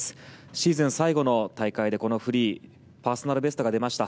シーズン最後の大会でこのフリーパーソナルベストが出ました。